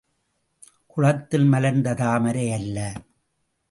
குளத்தில் மலர்ந்த தாமரை அல்ல.